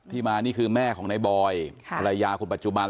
มานี่คือแม่ของในบอยภรรยาคนปัจจุบัน